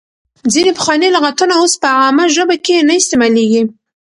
ځینې پخواني لغاتونه اوس په عامه ژبه کې نه استعمالېږي.